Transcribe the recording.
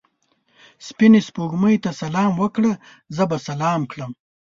سپینې سپوږمۍ ته سلام وکړه؛ زه به سلام کړم.